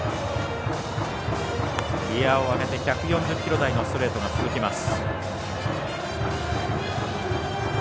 ギヤを上げて１４０キロ台のストレートが続きます。